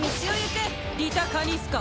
リタ・カニスカ。